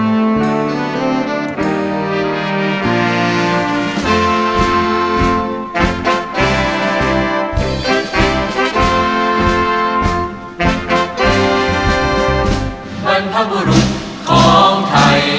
มันมาตรปองเมืองคุมทำออกเพื่อรักษาได้